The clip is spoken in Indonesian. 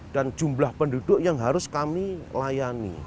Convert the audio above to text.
dan jumlah penduduk yang harus kami layani